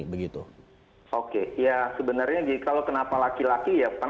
oke ya sebenarnya kalau kenapa laki laki ya